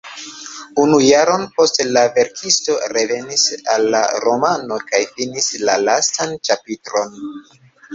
Unu jaron poste la verkisto revenis al la romano kaj finis la lastan ĉapitron.